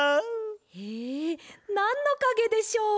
へえなんのかげでしょう？